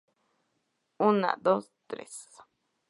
una, dos, tres.